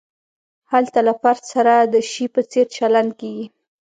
هلته له فرد سره د شي په څېر چلند کیږي.